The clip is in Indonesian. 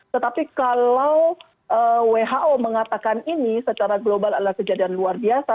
tetapi kalau who mengatakan ini secara global adalah kejadian luar biasa